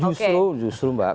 justru justru mbak